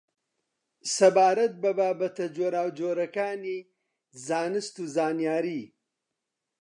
سەبارەت بە بابەتە جۆراوجۆرەکانی زانست و زانیاری